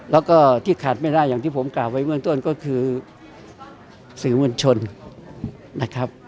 แล้วก็ที่ขาดไม่ได้อย่างที่ผมกล่าวไว้เมื่อต้นก็คือสื่อมวลชนนะครับ